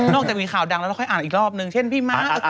จากมีข่าวดังแล้วเราค่อยอ่านอีกรอบนึงเช่นพี่ม้า